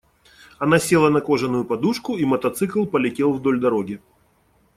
Она села на кожаную подушку, и мотоцикл полетел вдоль дороги.